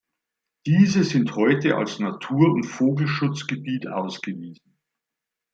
Diese sind heute als Natur- und Vogelschutzgebiet ausgewiesen.